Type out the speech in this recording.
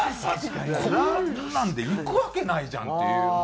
こんなんでいくわけないじゃんっていう。